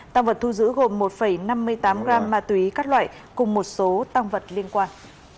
tăng vật thu giữ gồm một năm mươi tám gram ma túy các loại cùng một số tăng vật liên quan